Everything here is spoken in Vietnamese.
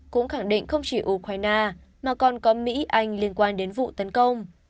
cũng khẳng định không chỉ ukraine mà còn có mỹ anh liên quan đến vụ tấn công